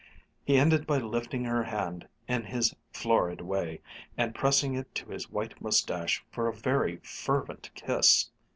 He ended by lifting her hand, in his florid way, and pressing it to his white mustache for a very fervent kiss.